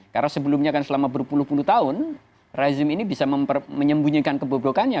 karena sebelumnya kan selama berpuluh puluh tahun rezim ini bisa menyembunyikan kebebrokannya